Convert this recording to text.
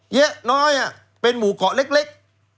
เยอะน้อยเป็นหมู่เกาะเล็ก